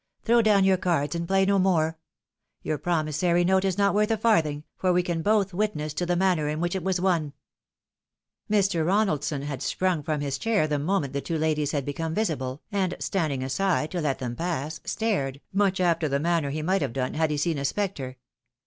Throw down your cards and play no more. Your promissory note is not worth a farthing, for we can both witness to the manner in which it was won." Mr. Ronaldson had sprung from his chair the moment the two ladies had become visible, and standing aside to let them pass, stared, much after the manner he might have done had he seen a spectre.